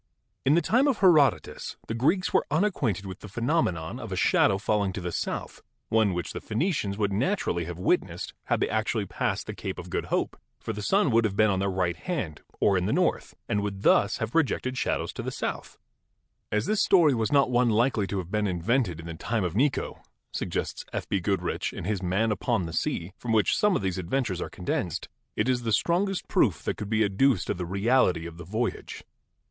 In the time of Herodotus the Greeks were unacquainted with the phenomenon of a shadow falling to the south, one which the Phenicians would naturally have witnessed THE BEGINNINGS OF CARTOGRAPHY 17 had they actually passed the Cape of Good Hope, for the sun would have been on their right hand, or in the north, and would thus have projected shadows to the south. "As this story was not one likely to have been invented in the time of Necho," suggests F. B. Goodrich in his 'Man Upon the Sea/ from which some of these adventures are con densed, "it is the strongest proof that could be adduced of the reality of the voyage.